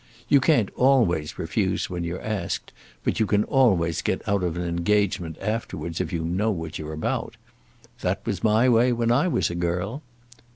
You can't always refuse when you're asked, but you can always get out of an engagement afterwards if you know what you're about. That was my way when I was a girl."